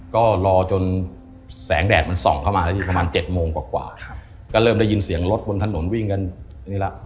ก็รอจนแสงแดดมันส่องเข้ามาแล้วที่ประมาณ๗โมงกว่าก็เริ่มได้ยินเสียงรถบนถนนวิ่งกันนี่แหละ